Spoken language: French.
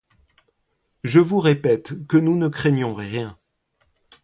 Je vous répète que nous ne craignons rien.